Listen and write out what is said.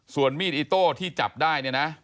ส่วนมีดอิโต้ที่จับได้เนี่ยนะ